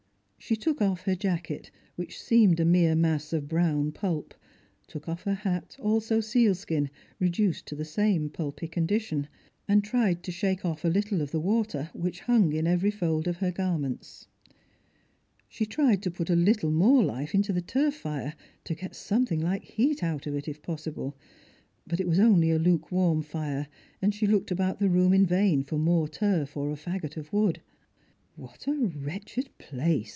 She took off her jacket, which seemed a mere mass of brown pulp ; took off her hat, also sealskin, reduced to the same pulpy condition ; and tried to shake off a little of the water which hung in every fold of her garments. She tried to put a little moBe life into the turf fire, to get something hke heat out of it if possible, but it was only a lukewarm fire, and she looked about the room in vain for more turf or a fagot of wood. " What a wretched place